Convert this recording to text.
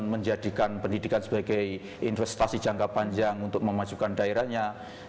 menjadikan pendidikan sebagai investasi jangka panjang untuk memajukan daerahnya